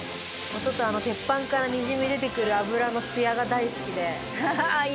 音とあの鉄板からにじみ出てくる油のツヤが大好きで。